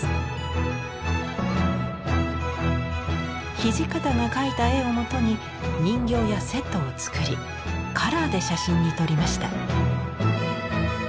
土方が描いた絵をもとに人形やセットを作りカラーで写真に撮りました。